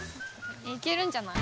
いけるんじゃない？